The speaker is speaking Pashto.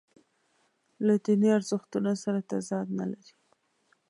له دیني ارزښتونو سره تضاد نه لري.